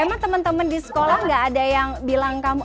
emang teman teman di sekolah gak ada yang bilang kamu